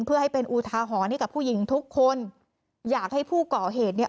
เพื่อให้เป็นอุทาหรณ์ให้กับผู้หญิงทุกคนอยากให้ผู้ก่อเหตุเนี่ย